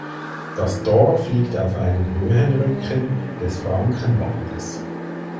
Das Dorf liegt auf einem Höhenrücken des Frankenwaldes.